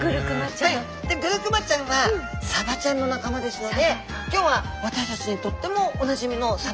でグルクマちゃんはサバちゃんの仲間ですので今日は私たちにとってもおなじみのサバちゃん